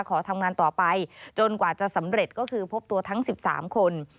ขอทำงานต่อไปจนกว่าจะสำเร็จก็คือพบตัวทั้ง๑๓คน